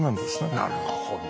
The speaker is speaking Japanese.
なるほど。